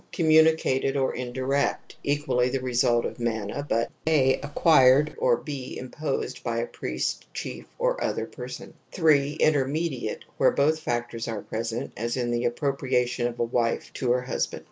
communicated or indirect, equally the result of 'mana' but (a) acquired or (6) imposed by a priest, chief or other person ; 8. intermediate, where both factors are present, as in the appropriation of a wife to her husband.